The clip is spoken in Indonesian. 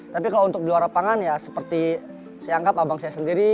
tapi kalau untuk di luar lapangan ya seperti saya anggap abang saya sendiri